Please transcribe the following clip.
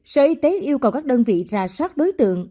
sở y tế yêu cầu các đơn vị ra soát đối tượng